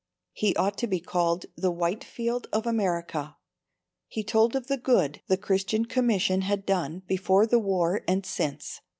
He ought to be called the Whitefield of America. He told of the good the Christian Commission had done before the war and since.